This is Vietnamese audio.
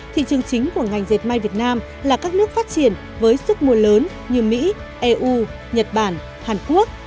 thị trường chính của ngành dệt may việt nam là các nước phát triển với sức mua lớn như mỹ eu nhật bản hàn quốc